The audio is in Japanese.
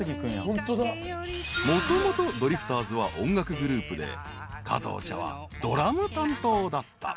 ［もともとドリフターズは音楽グループで加藤茶はドラム担当だった］